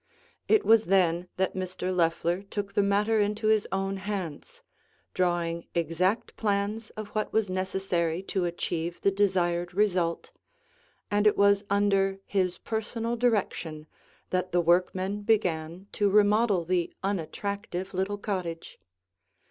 It was then that Mr. Loeffler took the matter into his own hands, drawing exact plans of what was necessary to achieve the desired result, and it was under his personal direction that the workmen began to remodel the unattractive little cottage.